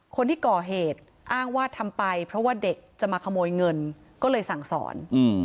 คนที่ก่อเหตุอ้างว่าทำไปเพราะว่าเด็กจะมาขโมยเงินก็เลยสั่งสอน